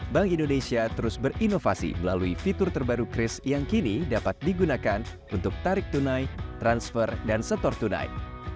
bank indonesia terus berinovasi melalui fitur terbaru kris yang kini dapat digunakan untuk tarik tunai transfer dan setor tunai